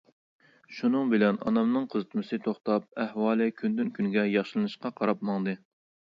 شۇنىڭ بىلەن ئانامنىڭ قىزىتمىسى توختاپ، ئەھۋالى كۈندىن كۈنگە ياخشىلىنىشقا قاراپ ماڭدى.